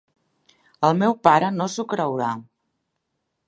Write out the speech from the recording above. El meu pare no s'ho creurà!